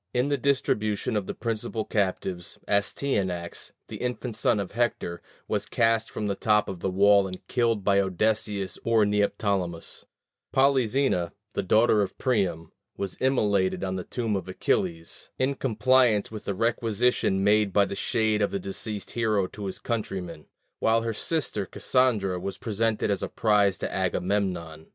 In the distribution of the principal captives, Astyanax, the infant son of Hector, was cast from the top of the wall and killed by Odysseus or Neoptolemus: Polyxena, the daughter of Priam, was immolated on the tomb of Achilles, in compliance with a requisition made by the shade of the deceased hero to his countrymen; while her sister Cassandra was presented as a prize to Agamemnon.